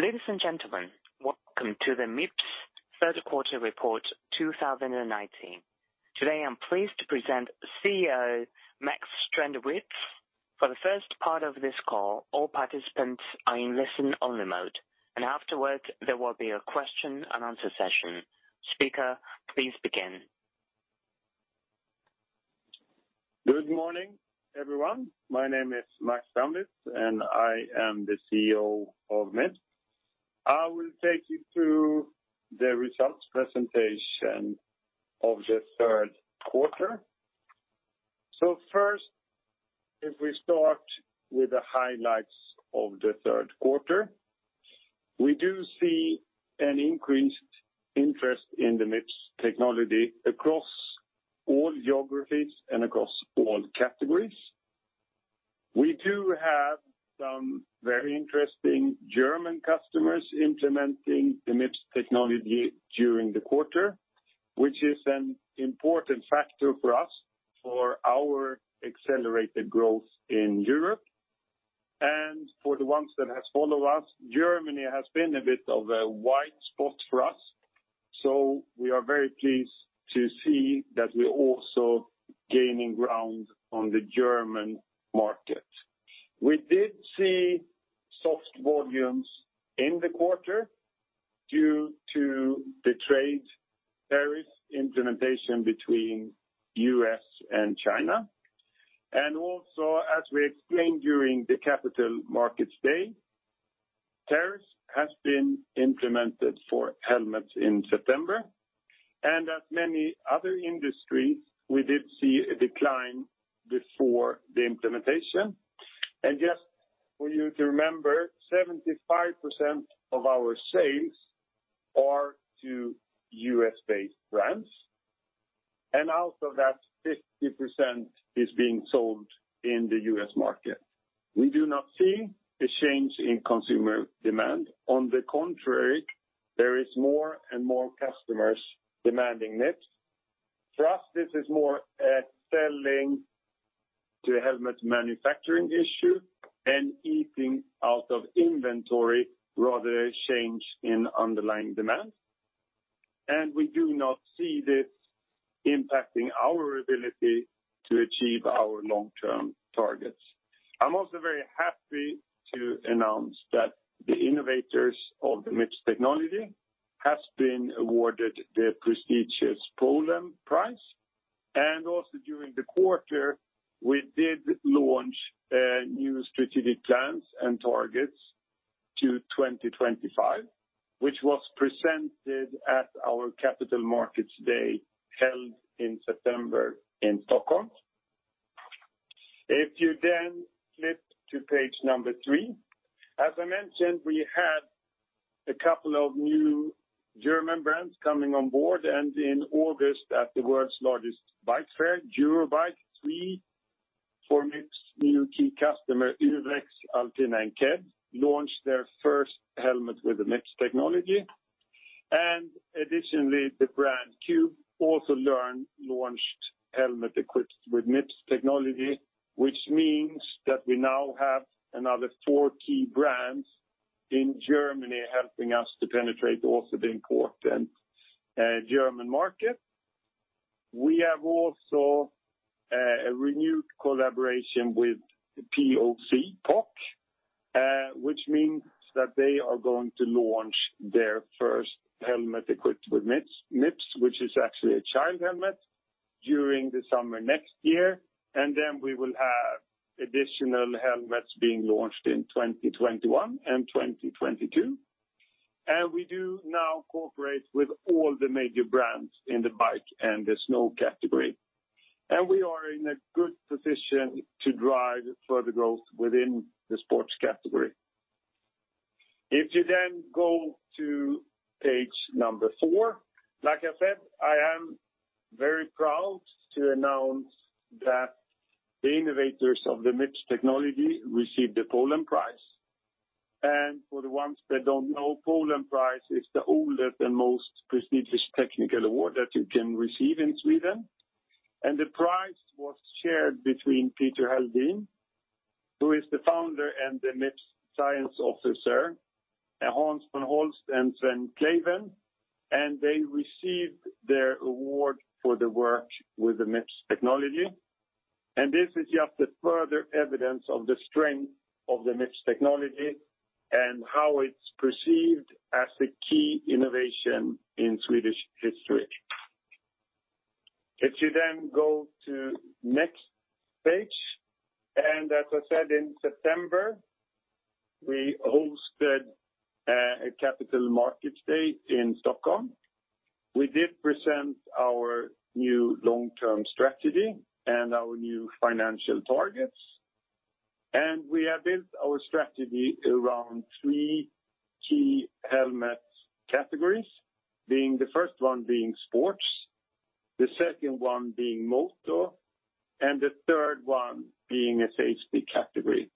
Ladies and gentlemen, welcome to the Mips third quarter report 2019. Today, I'm pleased to present CEO Max Strandwitz. For the first part of this call, all participants are in listen-only mode, and afterwards there will be a question and answer session. Speaker, please begin. Good morning, everyone. My name is Max Strandwitz, I am the CEO of Mips. I will take you through the results presentation of the third quarter. First, if we start with the highlights of the third quarter. We do see an increased interest in the Mips technology across all geographies and across all categories. We do have some very interesting German customers implementing the Mips technology during the quarter, which is an important factor for us for our accelerated growth in Europe. For the ones that have followed us, Germany has been a bit of a white spot for us, we are very pleased to see that we're also gaining ground on the German market. We did see soft volumes in the quarter due to the trade tariffs implementation between U.S. and China. As we explained during the Capital Markets Day, tariffs has been implemented for helmets in September. As many other industries, we did see a decline before the implementation. 75% of our sales are to U.S.-based brands, and out of that, 50% is being sold in the U.S. market. We do not see a change in consumer demand. On the contrary, there is more and more customers demanding Mips. For us, this is more a selling to a helmet manufacturing issue and eating out of inventory rather a change in underlying demand. We do not see this impacting our ability to achieve our long-term targets. I'm also very happy to announce that the innovators of the Mips technology has been awarded the prestigious Polhem Prize. During the quarter, we did launch new strategic plans and targets to 2025, which was presented at our Capital Markets Day held in September in Stockholm. If you flip to page number 3. As I mentioned, we had a couple of new German brands coming on board. In August, at the world's largest bike fair, Eurobike, 4 Mips new key customer, uvex, Alpina and KED, launched their first helmet with the Mips technology. Additionally, the brand CUBE also launched helmet equipped with Mips technology, which means that we now have another 4 key brands in Germany helping us to penetrate also the important German market. We have also a renewed collaboration with POC, which means that they are going to launch their first helmet equipped with Mips, which is actually a child helmet, during the summer next year. Then we will have additional helmets being launched in 2021 and 2022. We do now cooperate with all the major brands in the bike and the snow category. We are in a good position to drive further growth within the sports category. If you go to page number four. Like I said, I am very proud to announce that the innovators of the Mips technology received the Polhem Prize. For the ones that don't know, Polhem Prize is the oldest and most prestigious technical award that you can receive in Sweden. The prize was shared between Peter Halldin, who is the founder and the Mips Science Officer, Hans von Holst, and Svein Kleiven, and they received their award for the work with the Mips technology. This is just a further evidence of the strength of the Mips technology and how it's perceived as a key innovation in Swedish history. If you then go to next page. As I said, in September, we hosted a Capital Markets Day in Stockholm. We did present our new long-term strategy and our new financial targets. We have built our strategy around three key helmet categories, the first one being sports, the second one being motor, and the third one being Safety category.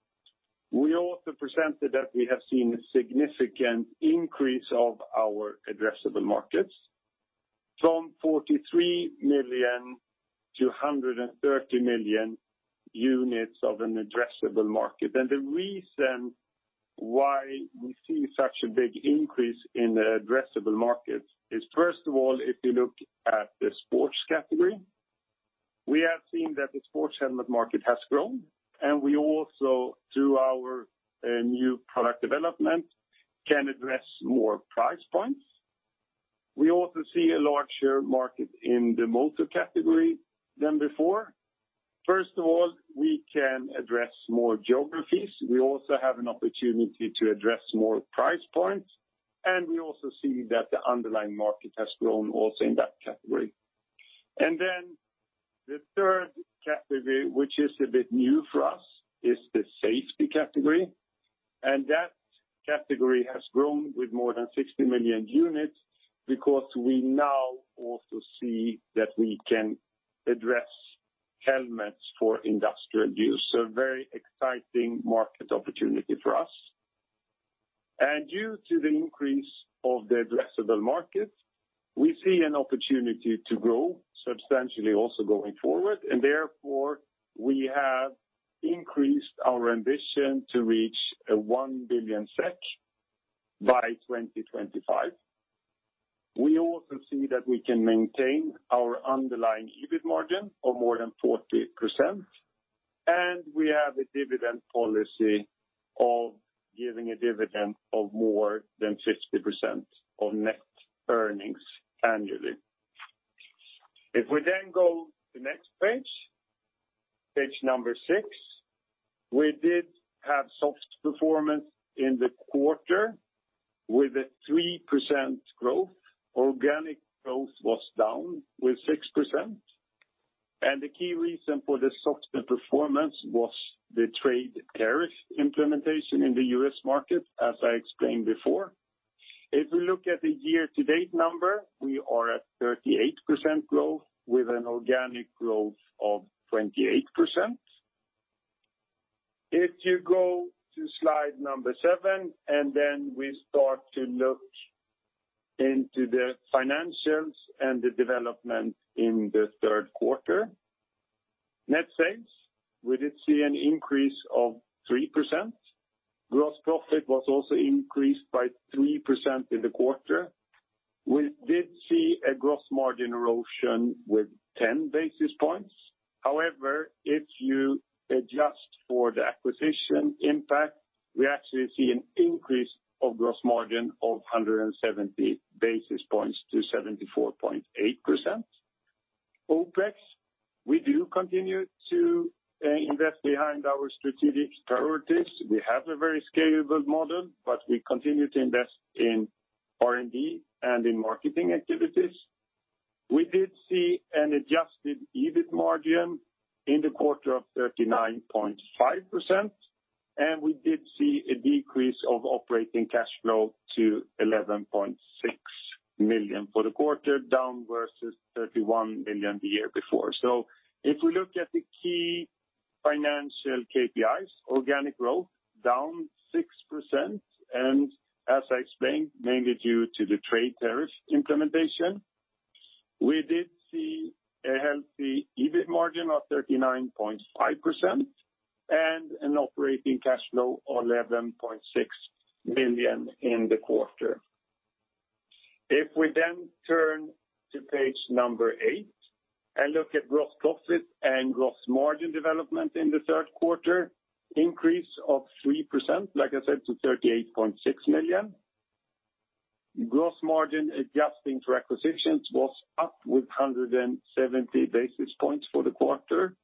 We also presented that we have seen a significant increase of our addressable markets. From 43 million to 130 million units of an addressable market. The reason why we see such a big increase in the addressable market is, first of all, if you look at the Sports category, we have seen that the Sports helmet market has grown, and we also, through our new product development, can address more price points. We also see a large share market in the Motorcycle category than before. First of all, we can address more geographies. We also have an opportunity to address more price points, and we also see that the underlying market has grown also in that category. The third category, which is a bit new for us, is the Safety category. That category has grown with more than 60 million units because we now also see that we can address helmets for industrial use. A very exciting market opportunity for us. Due to the increase of the addressable market, we see an opportunity to grow substantially also going forward, therefore, we have increased our ambition to reach 1 billion SEK by 2025. We also see that we can maintain our underlying EBIT margin of more than 40%, and we have a dividend policy of giving a dividend of more than 50% of net earnings annually. We then go to the next page number six. We did have soft performance in the quarter with a 3% growth. Organic growth was down with 6%. The key reason for the softer performance was the trade tariff implementation in the U.S. market, as I explained before. We look at the year-to-date number, we are at 38% growth with an organic growth of 28%. If you go to slide number seven, and then we start to look into the financials and the development in the third quarter. Net sales, we did see an increase of 3%. Gross profit was also increased by 3% in the quarter. We did see a gross margin erosion with 10 basis points. However, if you adjust for the acquisition impact, we actually see an increase of gross margin of 170 basis points to 74.8%. OPEX, we do continue to invest behind our strategic priorities. We have a very scalable model, but we continue to invest in R&D and in marketing activities. We did see an adjusted EBIT margin in the quarter of 39.5%, and we did see a decrease of operating cash flow to 11.6 million for the quarter, down versus 31 million the year before. If we look at the key financial KPIs, organic growth down 6% and as I explained, mainly due to the trade tariff implementation. We did see a healthy EBIT margin of 39.5% and an operating cash flow of 11.6 million in the quarter. If we then turn to page 8 and look at gross profit and gross margin development in the third quarter, increase of 3%, like I said, to 38.6 million. Gross margin adjusting to acquisitions was up with 170 basis points for the quarter.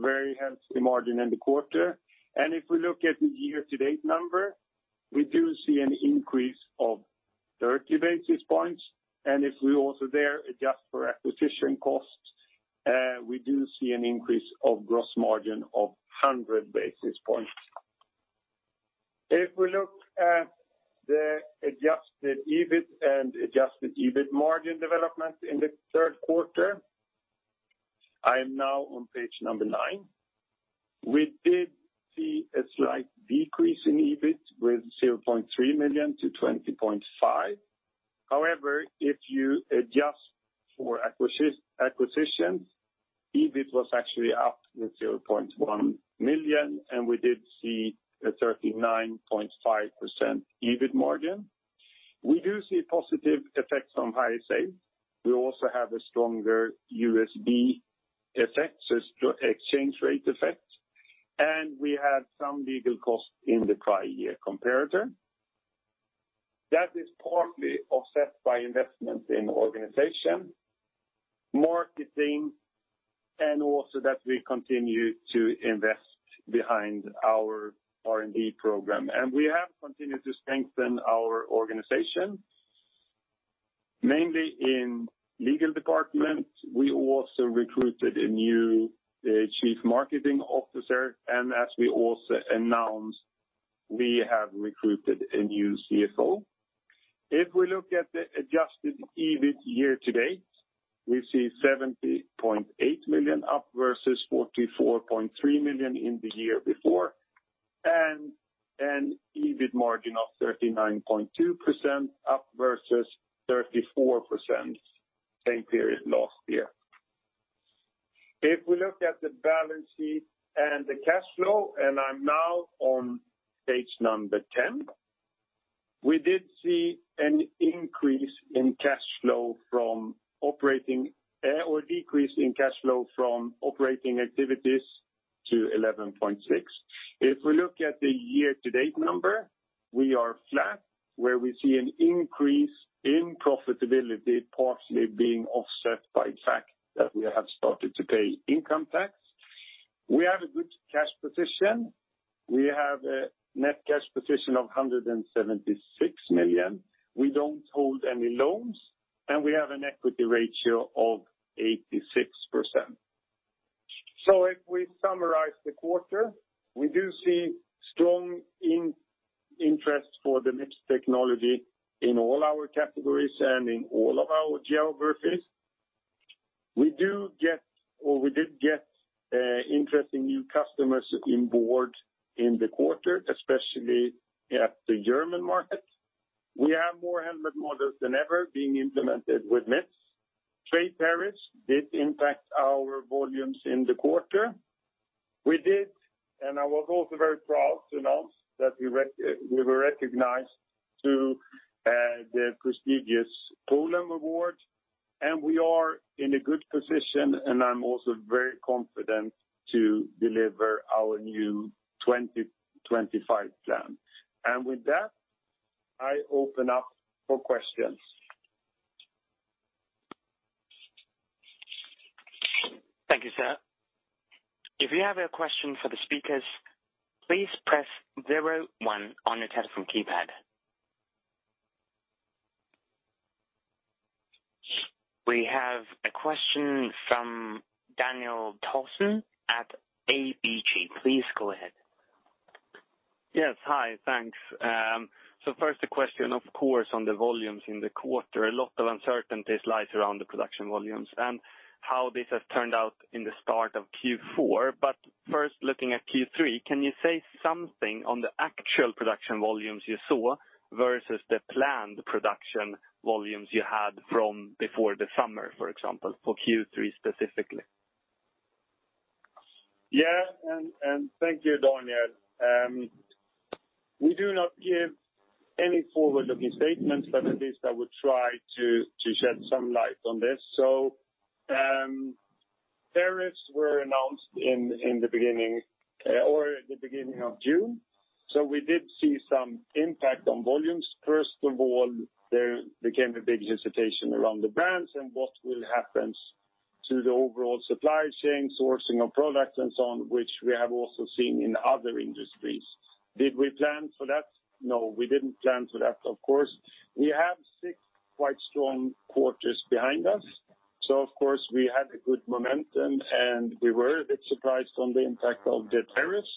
Very healthy margin in the quarter. If we look at the year-to-date number, we do see an increase of 30 basis points. If we also there adjust for acquisition costs, we do see an increase of gross margin of 100 basis points. If we look at the adjusted EBIT and adjusted EBIT margin development in the third quarter, I am now on page number nine. We did see a slight decrease in EBIT with 0.3 million to 20.5. If you adjust for acquisitions, EBIT was actually up with 0.1 million, and we did see a 39.5% EBIT margin. We do see positive effects on higher sales. We also have a stronger USD effect, so exchange rate effect, and we had some legal costs in the prior year comparator. That is partly offset by investments in organization, marketing, and also that we continue to invest behind our R&D program. We have continued to strengthen our organization, mainly in legal department. We also recruited a new Chief Marketing Officer, and as we also announced, we have recruited a new CFO. If we look at the adjusted EBIT year to date, we see 70.8 million up versus 44.3 million in the year before. An EBIT margin of 39.2% up versus 34% same period last year. If we look at the balance sheet and the cash flow, I'm now on page number 10. We did see a decrease in cash flow from operating activities to 11.6 million. If we look at the year-to-date number, we are flat, where we see an increase in profitability, partially being offset by the fact that we have started to pay income tax. We have a good cash position. We have a net cash position of 176 million. We don't hold any loans, and we have an equity ratio of 86%. If we summarize the quarter, we do see strong interest for the Mips technology in all our categories and in all of our geographies. We did get interesting new customers on board in the quarter, especially at the German market. We have more helmet models than ever being implemented with Mips. Trade tariffs did impact our volumes in the quarter. We did, and I was also very proud to announce that we were recognized to the prestigious Polhem Prize, and we are in a good position, and I'm also very confident to deliver our new 2025 plan. With that, I open up for questions. Thank you, sir. If you have a question for the speakers, please press 01 on your telephone keypad. We have a question from Daniel Thorsson at ABG. Please go ahead. Yes. Hi, thanks. First a question, of course, on the volumes in the quarter. A lot of uncertainty lies around the production volumes and how this has turned out in the start of Q4. First, looking at Q3, can you say something on the actual production volumes you saw versus the planned production volumes you had from before the summer, for example, for Q3 specifically? Yeah. Thank you, Daniel. We do not give any forward-looking statements, at least I will try to shed some light on this. Tariffs were announced in the beginning of June. We did see some impact on volumes. First of all, there became a big hesitation around the brands and what will happen to the overall supply chain, sourcing of products, and so on, which we have also seen in other industries. Did we plan for that? No, we didn't plan for that, of course. We have six quite strong quarters behind us. Of course, we had a good momentum, and we were a bit surprised on the impact of the tariffs.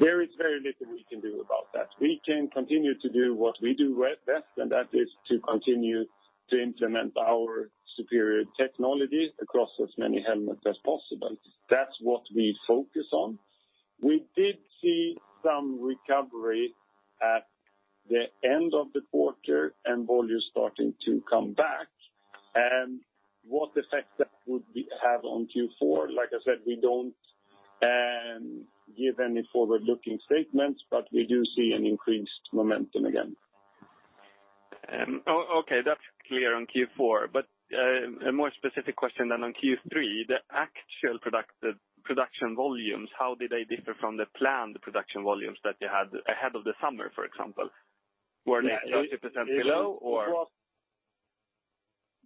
There is very little we can do about that. We can continue to do what we do best, and that is to continue to implement our superior technology across as many helmets as possible. That's what we focus on. We did see some recovery at the end of the quarter and volumes starting to come back. What effect that would have on Q4, like I said, we don't give any forward-looking statements. We do see an increased momentum again. Okay. That's clear on Q4. A more specific question then on Q3, the actual production volumes, how did they differ from the planned production volumes that you had ahead of the summer, for example? Were they 30% below or?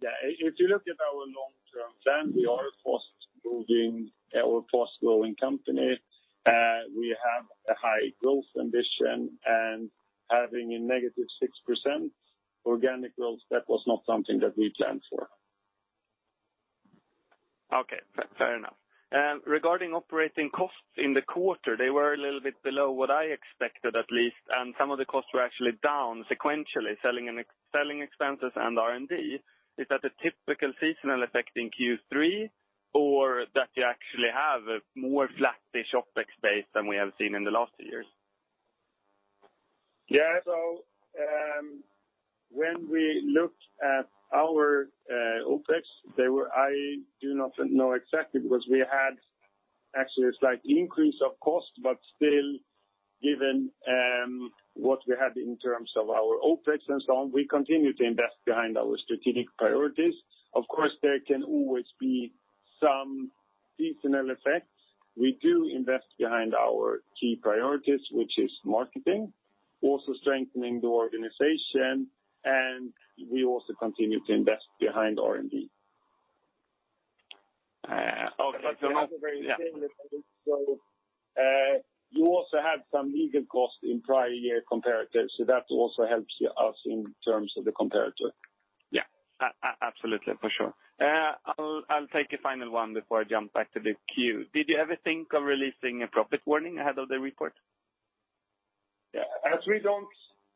Yeah. If you look at our long-term plan, we are a fast-growing company. We have a high growth ambition and having a negative 6% organic growth, that was not something that we planned for. Okay. Fair enough. Regarding operating costs in the quarter, they were a little bit below what I expected, at least, and some of the costs were actually down sequentially, selling expenses and R&D. Is that a typical seasonal effect in Q3 or that you actually have a more flattish OpEx base than we have seen in the last years? When we looked at our OPEX, I do not know exactly because we had actually a slight increase of cost, but still, given what we had in terms of our OPEX and so on, we continue to invest behind our strategic priorities. Of course, there can always be some seasonal effects. We do invest behind our key priorities, which is marketing, also strengthening the organization, and we also continue to invest behind R&D. Okay. You also had some legal costs in prior year comparatives, so that also helps us in terms of the comparator. Yeah. Absolutely. For sure. I'll take a final one before I jump back to the queue. Did you ever think of releasing a profit warning ahead of the report? As we don't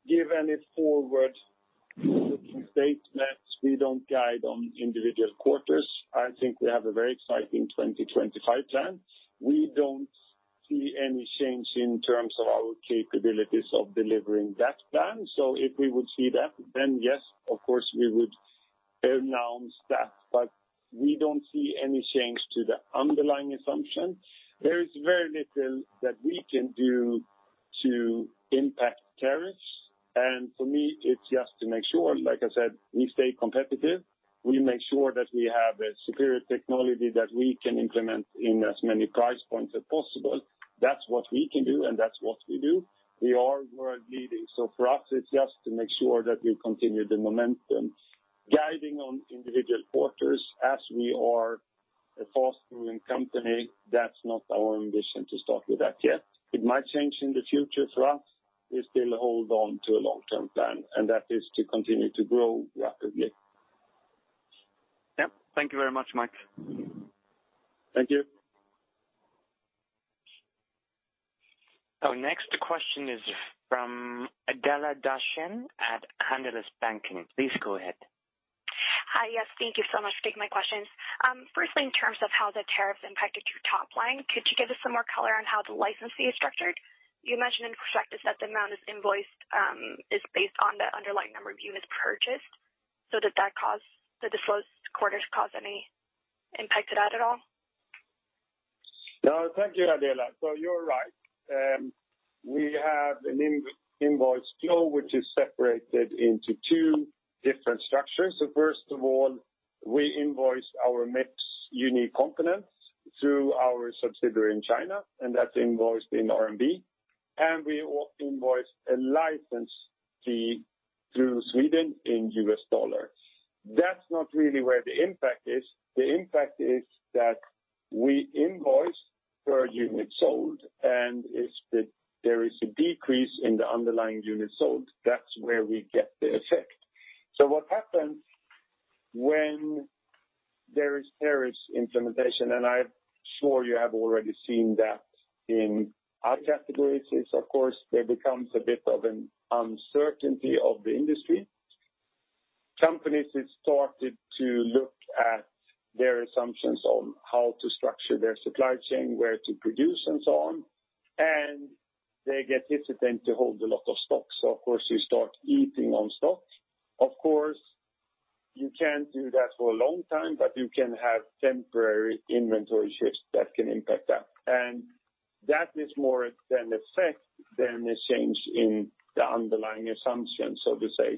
give any forward-looking statements, we don't guide on individual quarters. I think we have a very exciting 2025 plan. We don't see any change in terms of our capabilities of delivering that plan. If we would see that, then yes, of course, we would announce that, but we don't see any change to the underlying assumption. There is very little that we can do to impact tariffs, and for me, it's just to make sure, like I said, we stay competitive. We make sure that we have a superior technology that we can implement in as many price points as possible. That's what we can do, and that's what we do. We are world-leading. For us, it's just to make sure that we continue the momentum. Guiding on individual quarters as we are a fast-growing company, that's not our ambition to start with that yet. It might change in the future for us. We still hold on to a long-term plan, and that is to continue to grow rapidly. Yep. Thank you very much, Max. Thank you. Our next question is from Adela Dashian at Handelsbanken. Please go ahead. Hi. Yes, thank you so much for taking my questions. Firstly, in terms of how the tariffs impacted your top line, could you give us some more color on how the licensing is structured? You mentioned in perspective that the amount is invoiced is based on the underlying number of units purchased. Did the disclosed quarter cause any impact to that at all? No, thank you, Adela. You're right. We have an invoice flow which is separated into two different structures. First of all, we invoice our Mips unique components through our subsidiary in China, and that's invoiced in RMB. We invoice a license fee through Sweden in US dollar. That's not really where the impact is. The impact is that we invoice per unit sold, and there is a decrease in the underlying units sold. That's where we get the effect. What happens when there is tariffs implementation, and I'm sure you have already seen that in our categories is, of course, there becomes a bit of an uncertainty of the industry. Companies have started to look at their assumptions on how to structure their supply chain, where to produce, and so on, and they get hesitant to hold a lot of stock. Of course, you start eating on stock. Of course, you can't do that for a long time, but you can have temporary inventory shifts that can impact that. That is more an effect than a change in the underlying assumption, so to say.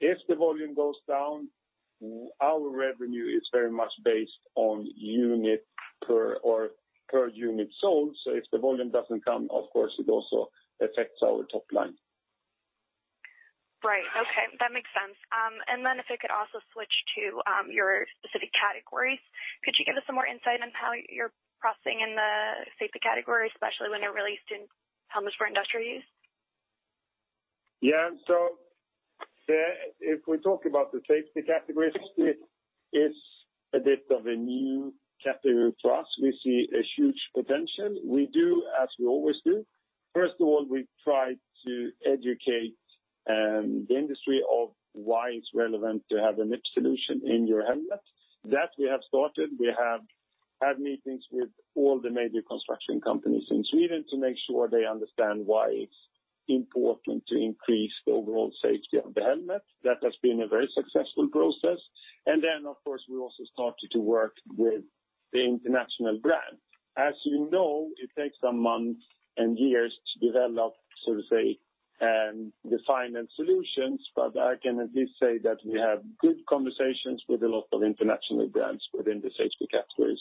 If the volume goes down, our revenue is very much based on unit per or per unit sold. If the volume doesn't come, of course, it also affects our top line. Right. Okay. That makes sense. Then if it could also switch to your specific categories, could you give us some more insight on how you're progressing in the Safety category, especially when it relates to helmets for industrial use? Yeah. If we talk about the Safety category, it is a bit of a new category for us. We see a huge potential. We do as we always do. First of all, we try to educate the industry of why it's relevant to have a Mips solution in your helmet. That we have started. We have had meetings with all the major construction companies in Sweden to make sure they understand why it's important to increase the overall safety of the helmet. That has been a very successful process. Of course, we also started to work with the international brand. As you know, it takes some months and years to develop, so to say, the final solutions, but I can at least say that we have good conversations with a lot of international brands within the Safety category.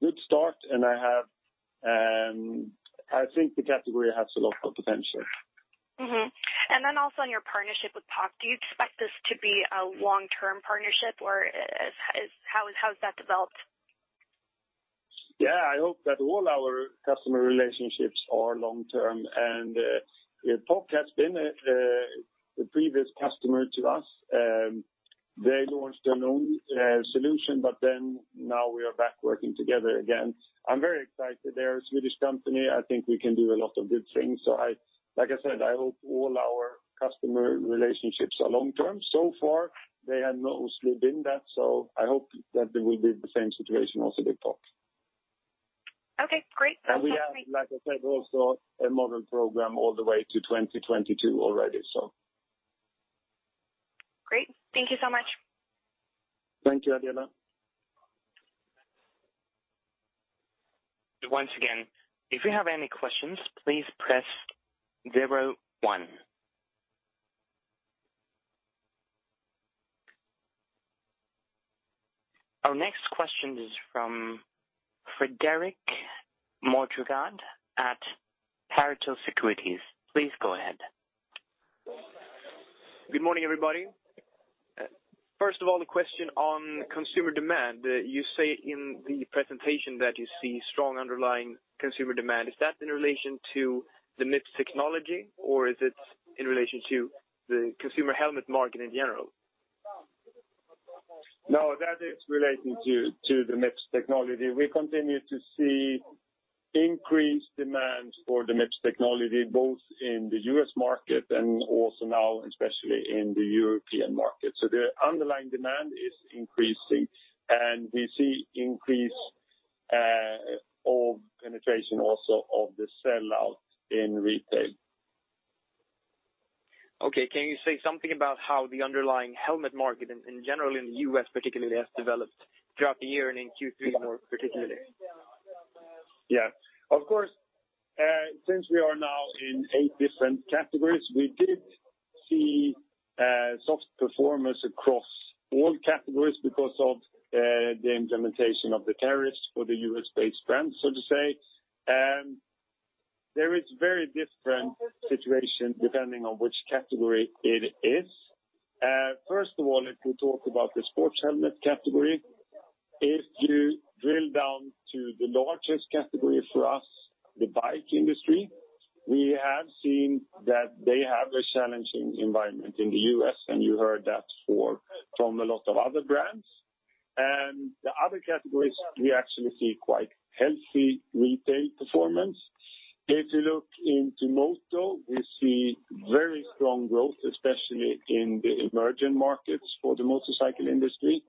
Good start, and I think the category has a lot of potential. Mm-hmm. Also on your partnership with POC, do you expect this to be a long-term partnership or how has that developed? Yeah. I hope that all our customer relationships are long-term, and POC has been a previous customer to us. They launched their own solution. Now we are back working together again. I'm very excited. They're a Swedish company. I think we can do a lot of good things. Like I said, I hope all our customer relationships are long-term. Far they have mostly been that, so I hope that it will be the same situation also with POC. Okay, great. That's great. We have, like I said, also a model program all the way to 2022 already. Great. Thank you so much. Thank you, Adela. Once again, if you have any questions, please press zero one. Our next question is from Fredrik Moregård at Carnegie Securities. Please go ahead. Good morning, everybody. First of all, the question on consumer demand. You say in the presentation that you see strong underlying consumer demand. Is that in relation to the Mips technology, or is it in relation to the consumer helmet market in general? No, that is relating to the Mips technology. We continue to see increased demand for the Mips technology, both in the U.S. market and also now, especially in the European market. The underlying demand is increasing, and we see increase of penetration also of the sell-out in retail. Okay. Can you say something about how the underlying helmet market in general, in the U.S. particularly, has developed throughout the year and in Q3 more particularly? Yeah. Of course, since we are now in 8 different categories, we did see soft performance across all categories because of the implementation of the tariffs for the U.S.-based brands, so to say. There is very different situations depending on which category it is. First of all, if we talk about the Sports helmet category, if you drill down to the largest category for us, the bike industry, we have seen that they have a challenging environment in the U.S., and you heard that from a lot of other brands. The other categories, we actually see quite healthy retail performance. If you look into moto, we see very strong growth, especially in the emerging markets for the motorcycle industry.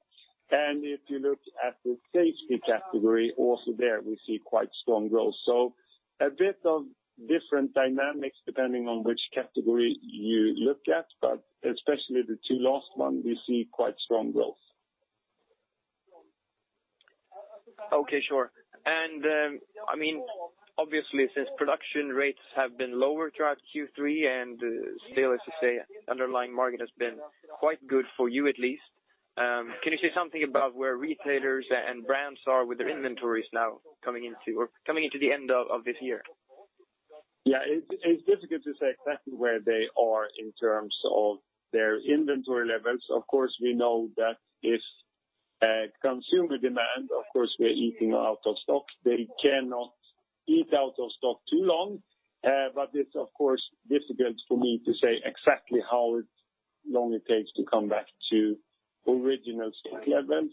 If you look at the Safety category, also there we see quite strong growth. A bit of different dynamics depending on which category you look at, but especially the two last one, we see quite strong growth. Okay. Sure. Obviously, since production rates have been lower throughout Q3 and still, as you say, underlying market has been quite good for you at least. Can you say something about where retailers and brands are with their inventories now coming into the end of this year? Yeah. It's difficult to say exactly where they are in terms of their inventory levels. We know that if consumer demand, we are eating into stock. They cannot eat into stock too long. It's difficult for me to say exactly how long it takes to come back to original stock levels.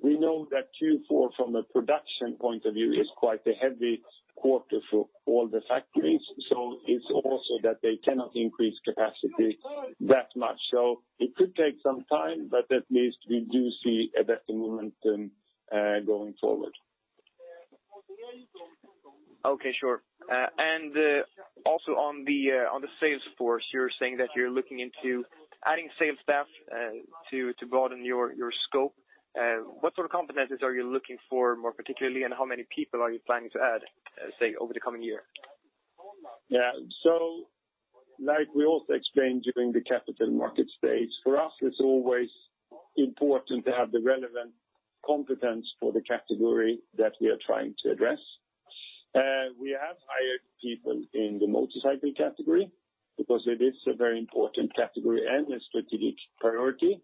We know that Q4 from a production point of view is quite a heavy quarter for all the factories, so it's also that they cannot increase capacity that much. It could take some time, but at least we do see a better momentum going forward. Okay, sure. Also on the sales force, you're saying that you're looking into adding sales staff to broaden your scope. What sort of competencies are you looking for more particularly, and how many people are you planning to add, say, over the coming year? Like we also explained during the Capital Markets Day, for us it's always important to have the relevant competence for the category that we are trying to address. We have hired people in the motorcycle category because it is a very important category and a strategic priority.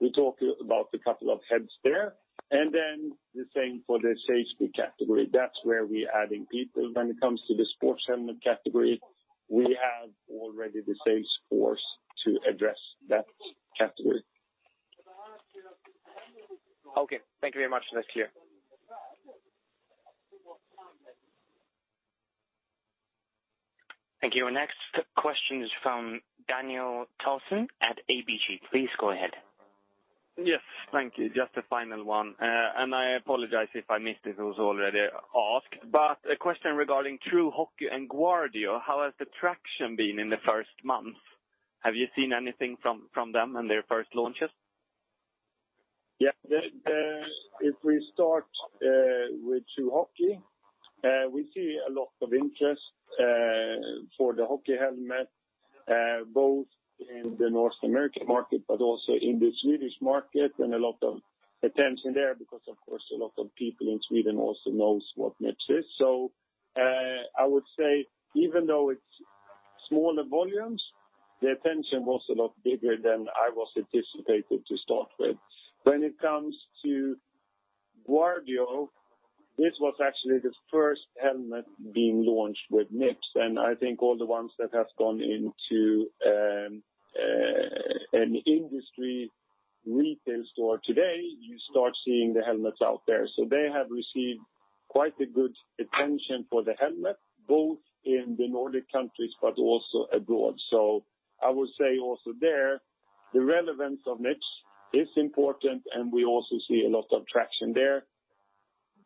We talked about a couple of heads there. The same for the Safety category. That's where we're adding people. When it comes to the Sports helmet category, we have already the sales force to address that category. Okay. Thank you very much. That's clear. Thank you. Our next question is from Daniel Thorsson at ABG. Please go ahead. Yes. Thank you. Just a final one. I apologize if I missed it was already asked, but a question regarding True Hockey and Guardio, how has the traction been in the first month? Have you seen anything from them and their first launches? If we start with True Hockey, we see a lot of interest for the hockey helmet both in the North American market but also in the Swedish market, and a lot of attention there because of course, a lot of people in Sweden also knows what Mips is. I would say even though it's smaller volumes, the attention was a lot bigger than I was anticipated to start with. When it comes to Guardio, this was actually the first helmet being launched with Mips, and I think all the ones that have gone into an industry retail store today, you start seeing the helmets out there. They have received quite a good attention for the helmet, both in the Nordic countries but also abroad. I would say also there, the relevance of Mips is important and we also see a lot of traction there.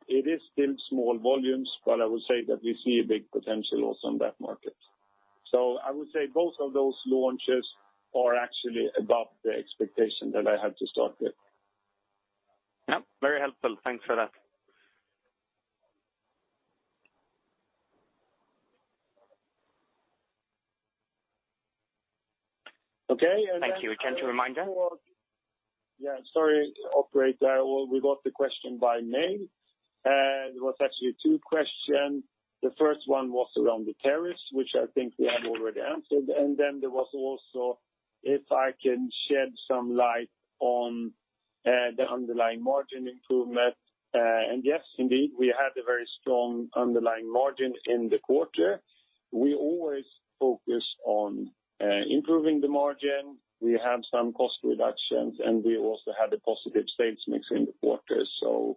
It is still small volumes, but I would say that we see a big potential also in that market. I would say both of those launches are actually above the expectation that I had to start with. Yep, very helpful. Thanks for that. Okay, then- Thank you. A gentle reminder. Yeah, sorry operator. We got the question by mail. It was actually two question. The first one was around the tariffs, which I think we have already answered. Then there was also if I can shed some light on the underlying margin improvement. Yes, indeed, we had a very strong underlying margin in the quarter. We always focus on improving the margin. We have some cost reductions, and we also had a positive sales mix in the quarter. That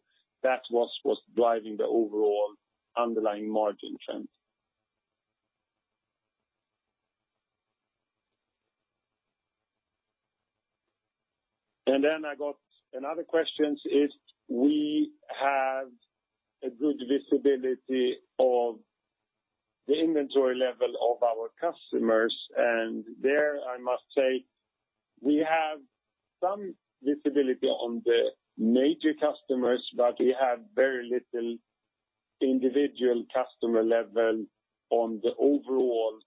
was what's driving the overall underlying margin trend. Then I got another question, if we have a good visibility of the inventory level of our customers. There, I must say we have some visibility on the major customers, but we have very little individual customer level on the overall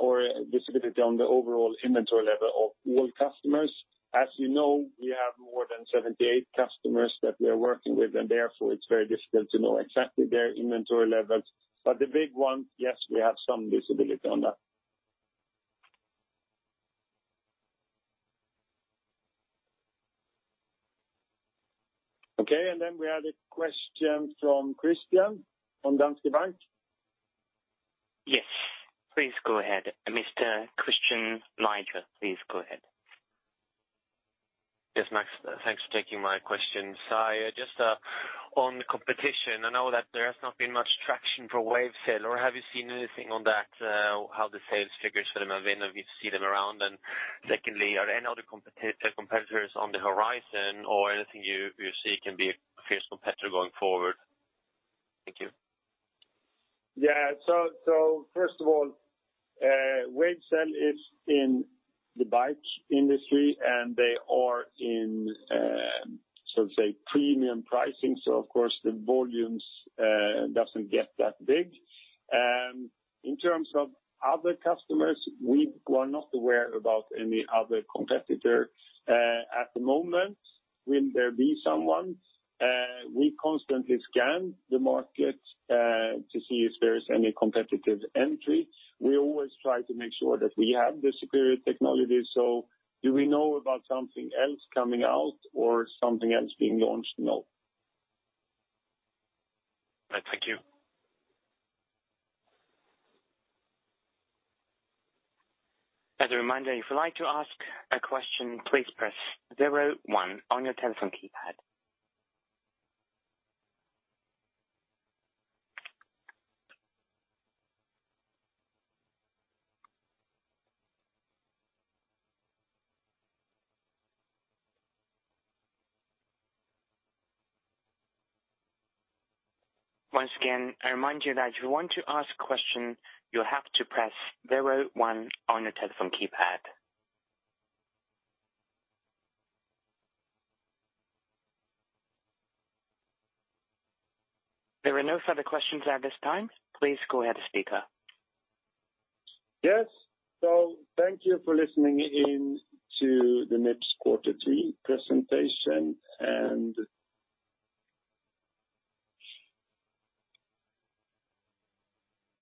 or visibility on the overall inventory level of all customers. As you know, we have more than 78 customers that we are working with, and therefore it's very difficult to know exactly their inventory levels. The big one, yes, we have some visibility on that. Okay, we have a question from Christian from Danske Bank. Yes, please go ahead, Mr. Christian Leija, please go ahead. Yes, Max. Thanks for taking my question. Just on competition, I know that there has not been much traction for WaveCel, or have you seen anything on that, how the sales figures for them have been, have you seen them around? Secondly, are any other competitors on the horizon or anything you see can be a fierce competitor going forward? Thank you. First of all, WaveCel is in the bike industry, and they are in premium pricing. Of course the volumes don't get that big. In terms of other customers, we were not aware of any other competitor at the moment. Will there be someone? We constantly scan the market to see if there is any competitive entry. We always try to make sure that we have the superior technology. Do we know about something else coming out or something else being launched? No. Thank you. As a reminder, if you'd like to ask a question, please press 01 on your telephone keypad. Once again, I remind you that if you want to ask a question, you have to press 01 on your telephone keypad. There are no further questions at this time. Please go ahead, speaker. Yes. Thank you for listening in to the Mips quarter three presentation.